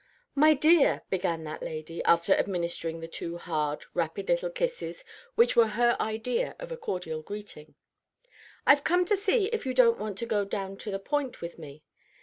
"My dear," began that lady, after administering the two hard, rapid little kisses which were her idea of a cordial greeting, "I've come to see if you don't want to go down to the Point with me.